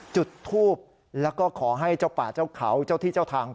จุดทูบแล้วก็ขอให้เจ้าป่าเจ้าเขาเจ้าที่เจ้าทาง